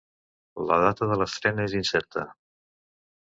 La data de l'estrena és incerta.